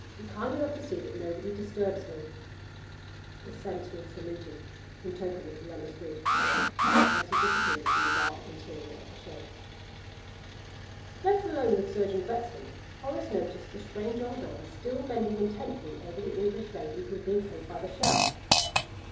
Be kind enough to see that nobody disturbs me." The sentinel saluted, in token that he understood. Mercy disappeared in the dark interior of the shed. Left alone with Surgeon Wetzel, Horace noticed the strange old man still bending intently over the English lady who had been killed by the shell.